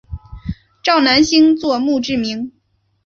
赵南星作墓志铭。